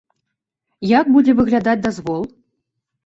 Як будзе выглядаць дазвол?